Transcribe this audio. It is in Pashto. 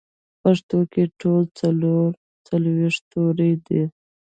پښتو کې ټول څلور څلوېښت توري دي